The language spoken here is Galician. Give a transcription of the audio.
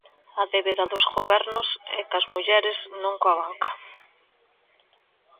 "A débeda dos gobernos é coas mulleres, non coa banca".